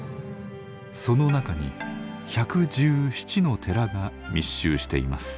その中に１１７の寺が密集しています。